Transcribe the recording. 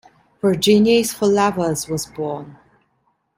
"Virginia is for Lovers" was born.